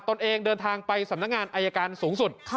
ตนเองเดินทางไปสำนักงานอายการสูงสุด